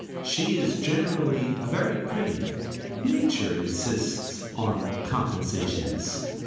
She is generally very pretty. Nature insists upon compensations.